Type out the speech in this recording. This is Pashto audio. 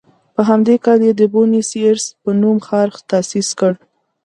په همدې کال یې د بونیس ایرس په نوم ښار تاسیس کړ.